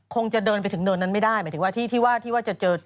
คงจะเดินไปถึงเนินนั้นไม่ได้หมายถึงว่าที่ว่าที่ว่าจะเจอ